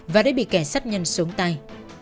và đã bị kẻ sát nhân xuống tay